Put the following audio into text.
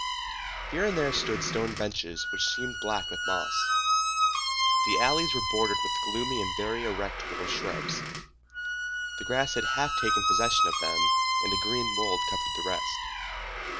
Here and there stood stone benches which seemed black with moss. The alleys were bordered with gloomy and very erect little shrubs. The grass had half taken possession of them, and a green mould covered the rest.